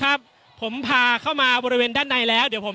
อย่างที่บอกไปว่าเรายังยึดในเรื่องของข้อ